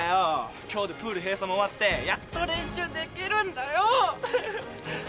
今日でプール閉鎖も終わってやっと練習できるんだよ。